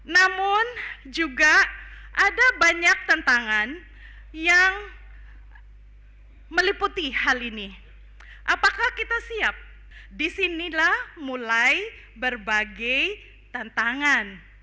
namun juga ada banyak tantangan yang meliputi hal ini apakah kita siap disinilah mulai berbagai tantangan